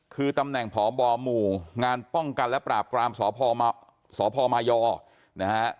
คือตำแหน่งพบหมู่งานป้องกันและปราบปรามสพสพมายนะฮะ